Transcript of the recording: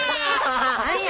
何や！